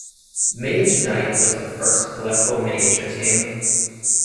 Mage Knight was the first collectible miniatures game.